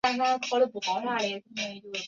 属绥越郡。